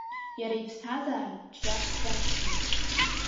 Иара аԥсҭазаара ҿиарц дашьҭан.